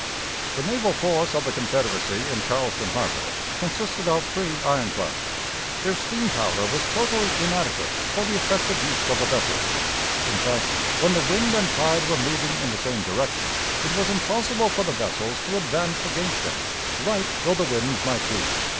The naval force of the Confederacy in Charleston Harbor consisted of three ironclads. Their steam power was totally inadequate for the effective use of the vessels. In fact, when the wind and tide were moving in the same direction, it was impossible for the vessels to advance against them, light though the wind might be.